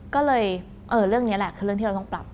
ก็เลยเรื่องนี้แหละคือเรื่องที่เราต้องปรับ